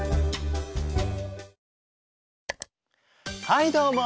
はいどうも。